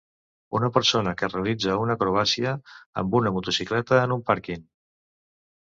Una persona que realitza una acrobàcia amb una motocicleta en un pàrquing